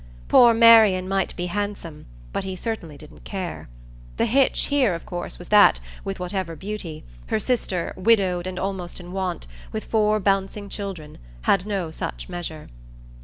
Poor Marian might be handsome, but he certainly didn't care. The hitch here of course was that, with whatever beauty, her sister, widowed and almost in want, with four bouncing children, had no such measure.